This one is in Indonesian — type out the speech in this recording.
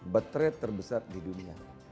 betret terbesar di dunia